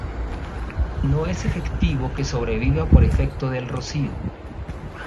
No es efectivo que sobreviva por efecto del rocío.